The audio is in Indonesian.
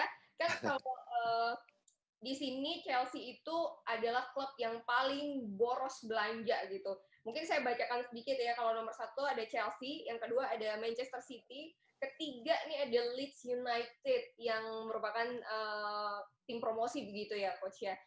kan kalau di sini chelsea itu adalah klub yang paling boros belanja gitu mungkin saya bacakan sedikit ya kalau nomor satu ada chelsea yang kedua ada manchester city ketiga ini ada leach united yang merupakan tim promosi begitu ya coach ya